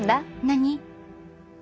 何？